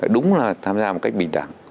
đúng là tham gia một cách bình đẳng